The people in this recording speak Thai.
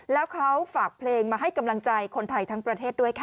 แล้วเขาฝากเพลงมาให้กำลังใจคนไทยทั้งประเทศด้วยค่ะ